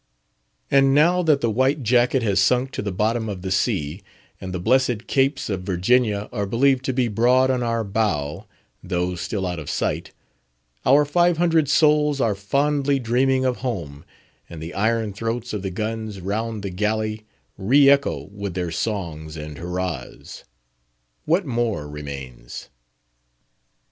And now that the white jacket has sunk to the bottom of the sea, and the blessed Capes of Virginia are believed to be broad on our bow—though still out of sight—our five hundred souls are fondly dreaming of home, and the iron throats of the guns round the galley re echo with their songs and hurras—what more remains?